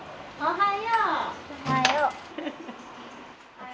おはよう！